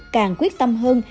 càng quyết tâm hơn